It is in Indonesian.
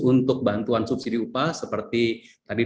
untuk bantuan subsidi upah seperti tadi